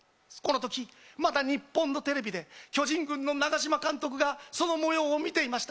このとき、また日本のテレビで巨人軍の長嶋監督がそのもようを見ていました。